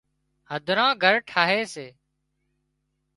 هڌران گھر ٺاهي سي